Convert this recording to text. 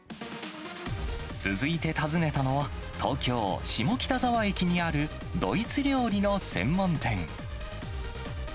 続いて訪ねたのは、東京・下北沢駅にあるドイツ料理の専門店。